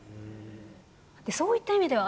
そういった意味では淳さん